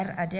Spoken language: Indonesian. tidak ada ya